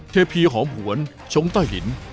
เทพีหอมหวนชงต้าหิน